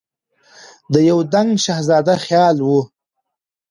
د یو دنګ شهزاده خیال وي